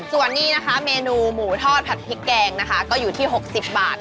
ส่วนนี้นะคะเมนูหมูทอดผัดพริกแกงนะคะก็อยู่ที่๖๐บาท